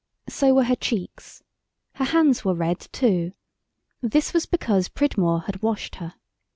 So were her cheeks. Her hands were red too. This was because Pridmore had washed her.